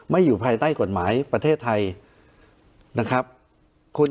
ไม่อยู่ภายใต้กฎหมายประเทศไทย